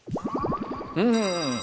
うん。